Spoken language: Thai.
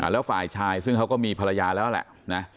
แล้วฝ่ายชายซึ่งเขาก็มีภรรยาแล้วแหละนะ